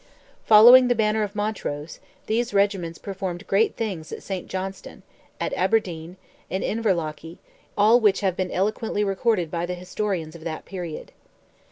Following the banner of Montrose, these regiments performed great things at Saint Johnstown, at Aberdeen, at Inverlochy, all which have been eloquently recorded by the historians of that period.